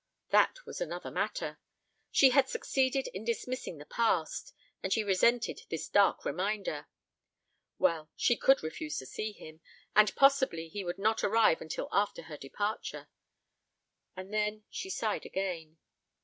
That was another matter. She had succeeded in dismissing the past, and she resented this dark reminder. Well, she could refuse to see him, and possibly he would not arrive until after her departure. And then she sighed again.